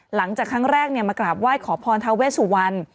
หลังจากครั้งแรกมากราบไหว้ขอพรทาเวสุวรรณ